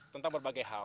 tentang berbagai hal